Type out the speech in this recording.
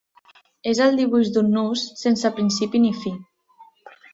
És el dibuix d'un nus sense principi ni fi.